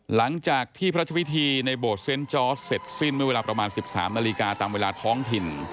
หลังจากที่พระพิธีในโบสถเซ็นต์จอร์สเสร็จสิ้นเมื่อเวลาประมาณ๑๓นาฬิกาตามเวลาท้องถิ่น